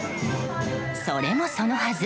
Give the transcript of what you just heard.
それもそのはず。